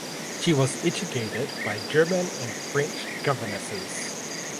She was educated by German and French governesses.